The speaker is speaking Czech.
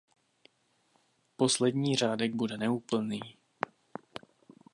Poslední řádek bude neúplný.